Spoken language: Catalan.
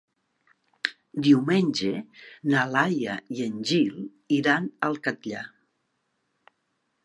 Diumenge na Laia i en Gil iran al Catllar.